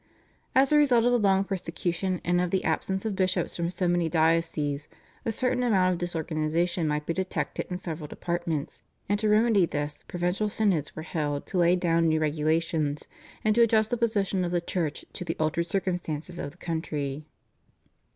As a result of the long persecution and of the absence of bishops from so many dioceses a certain amount of disorganisation might be detected in several departments, and to remedy this provincial synods were held to lay down new regulations, and to adjust the position of the Church to the altered circumstances of the country.